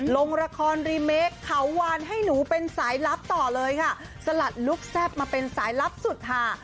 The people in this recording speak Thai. ลงละครรีเมคเขาวานให้หนูเป็นสายลับต่อเลยค่ะสลัดลุคแซ่บมาเป็นสายลับสุดหา